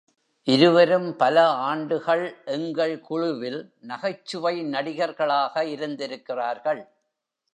இருவரும் பல ஆண்டுகள் எங்கள் குழுவில் நகைச்சுவை நடிகர்களாக இருந்திருக்கிறார்கள்.